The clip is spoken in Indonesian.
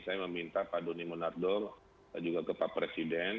saya meminta pak doni monardo juga ke pak presiden